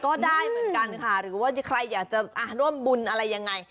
ก็ได้เหมือนกันค่ะหรือว่าใครอยากจะร่วมบุญอะไรยังไง